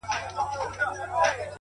وخت د ژوند نه تکرارېدونکې پانګه ده.!